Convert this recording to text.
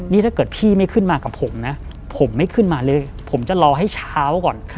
นี่ถ้าเกิดพี่ไม่ขึ้นมากับผมนะผมไม่ขึ้นมาเลยผมจะรอให้เช้าก่อน